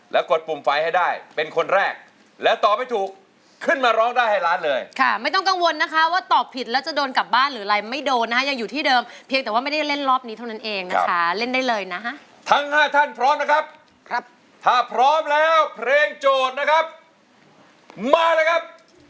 แล้วกดปุ่มไฟให้ได้เป็นคนแรกและตอบให้ถูกขึ้นมาร้องได้ให้ล้านเลยค่ะไม่ต้องกังวลนะคะว่าตอบผิดแล้วจะโดนกลับบ้านหรืออะไรไม่โดนนะฮะยังอยู่ที่เดิมเพียงแต่ว่าไม่ได้เล่นรอบนี้เท่านั้นเองนะคะเล่นได้เลยนะฮะทั้งห้าท่านพร้อมนะครับครับถ้าพร้อมแล้วเพลงโจทย์นะครับมาเลยครับ